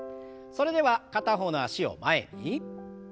それでは片方の脚を前に。